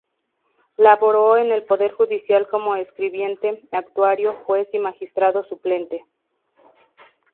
Laboró en el Poder Judicial como escribiente, actuario, juez y magistrado suplente.